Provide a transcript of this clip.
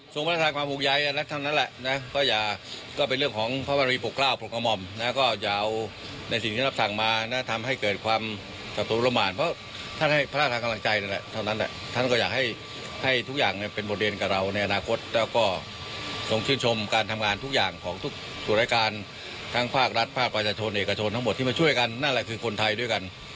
ส่งประธานความผูกใยนัดท่านนั้นแหละนะก็อย่าก็เป็นเรื่องของพระมนุษย์ปกคราวปกรมนะก็อย่าเอาในสิ่งที่นับสั่งมานะทำให้เกิดความสัตว์ตรวมหวานเพราะท่านให้พระธานกำลังใจนั่นแหละเท่านั้นแหละท่านก็อยากให้ให้ทุกอย่างเนี้ยเป็นบทเรียนกับเราในอนาคตแล้วก็ส่งชื่นชมการทำงานทุกอย